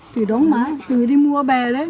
từ đó mà từ đi mua bè đấy